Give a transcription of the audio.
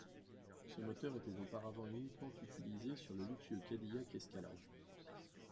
Ce moteur était auparavant uniquement utilisé sur le luxueux Cadillac Escalade.